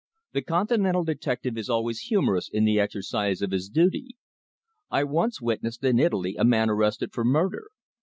The Continental detective is always humorous in the exercise of his duty. I once witnessed in Italy a man arrested for murder.